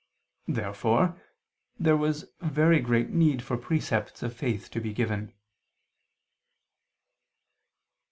Therefore there was very great need for precepts of faith to be given.